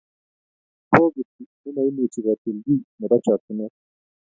Ne bogiti nemoimuchi kotil kiy nebo chokchinet